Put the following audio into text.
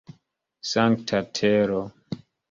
Sankta tero!